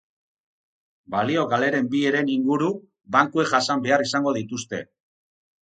Balio-galeren bi heren inguru bankuek jasan behar izango dituzte.